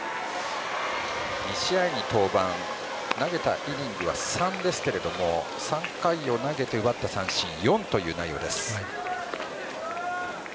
２試合に登板投げたイニングは３ですが３回を投げて奪った三振４という内容。